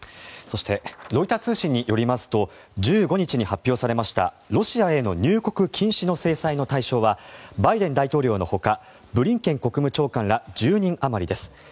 そしてロイター通信によりますと１５日に発表されましたロシアへの入国禁止の制裁の対象はバイデン大統領のほかブリンケン国務長官ら１０人あまりです。